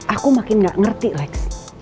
aku makin gak ngerti lex